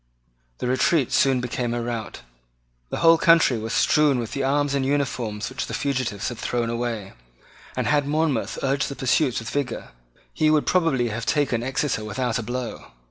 The retreat soon became a rout. The whole country was strewn with the arms and uniforms which the fugitives had thrown away; and, had Monmouth urged the pursuit with vigour, he would probably have taken Exeter without a blow.